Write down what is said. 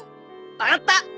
分かった。